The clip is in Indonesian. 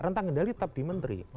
rentang kendali tetap di menteri